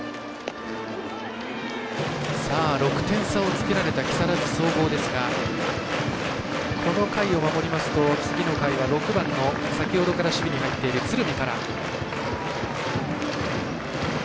６点差をつけられた木更津総合ですがこの回を守りますと次の回は６番の先ほどから守備に入っている鶴見から。